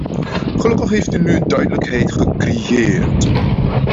Gelukkig heeft u nu duidelijkheid gecreëerd.